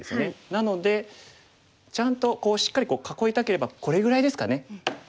なのでちゃんとしっかり囲いたければこれぐらいですかね。